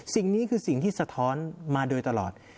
สิ่งนี้คือสิ่งที่สะท้อนมาโดยตลอด